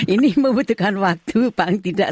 ini membutuhkan waktu pak